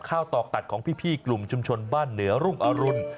ตอกตัดของพี่กลุ่มชุมชนบ้านเหนือรุ่งอรุณ